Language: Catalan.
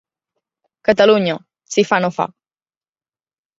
Catalunya, si fa no fa.